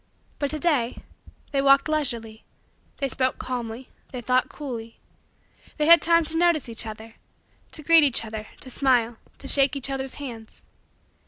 But to day, they walked leisurely; they spoke calmly; they thought coolly; they had time to notice each other; to greet each other, to smile, to shake each others' hands.